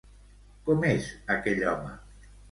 Com és aquell home?